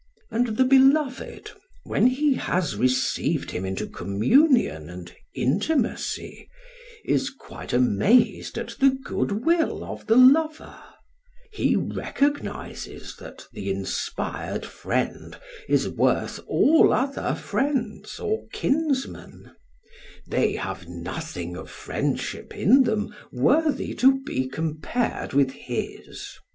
And the beloved when he has received him into communion and intimacy, is quite amazed at the good will of the lover; he recognises that the inspired friend is worth all other friends or kinsmen; they have nothing of friendship in them worthy to be compared with his.